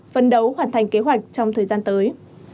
phân đấu hoàn thành kế hoạch trong thời gian tới